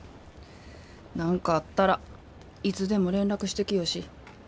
何かあったらいつでも連絡してきよし。